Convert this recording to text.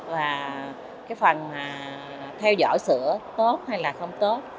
và cái phần mà theo dõi sữa tốt hay là không tốt